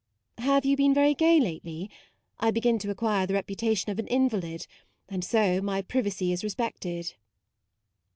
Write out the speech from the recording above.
" Have you been very gay lately ? I begin to acquire the reputation of an invalid, and so my privacy is re spected."